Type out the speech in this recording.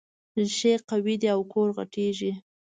ريښې قوي دي او کور غټېږي.